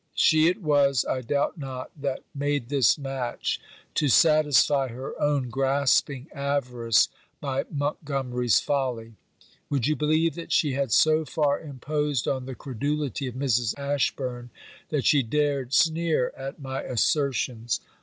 She it was, I doubt not, that made this match to satisfy her own grasping avarice by Montgomery's folly. Would you believe that she had so far imposed on the credulity of Mrs. Ashburn that she dared sneer at my assertions?